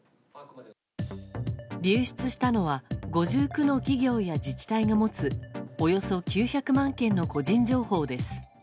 流出したのは５９の企業や自治体が持つおよそ９００万件の個人情報です。